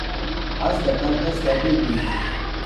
حەز دەکەم ئێستا بیبینم.